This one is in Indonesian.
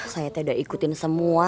saya tidak ikutin semua